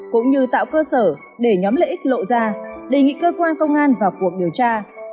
cũng như tạo cơ sở để nhóm lợi ích lộ ra đề nghị cơ quan công an vào cuộc điều tra